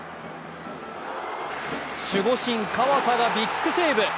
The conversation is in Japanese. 守護神・河田がビッグセーブ。